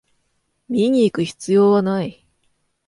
見にいく必要はない